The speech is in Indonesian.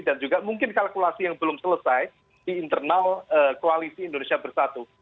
dan juga mungkin kalkulasi yang belum selesai di internal koalisi indonesia bersatu